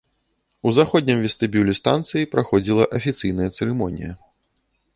У заходнім вестыбюлі станцыі праходзіла афіцыйная цырымонія.